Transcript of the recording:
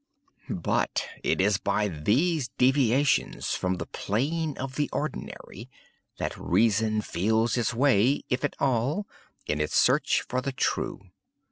But it is by these deviations from the plane of the ordinary, that reason feels its way, if at all, in its search for the true.